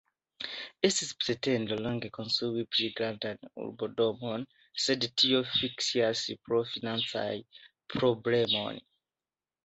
Estis pretendo longe konstrui pli grandan urbodomon, sed tio fiaskis pro financaj problemoj.